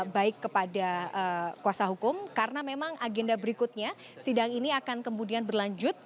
baik kepada kuasa hukum karena memang agenda berikutnya sidang ini akan kemudian berlanjut